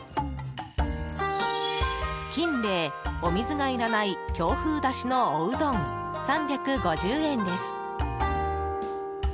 キンレイ、お水がいらない京風だしのおうどん３５０円です。